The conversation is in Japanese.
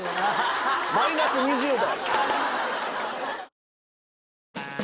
マイナス２０℃。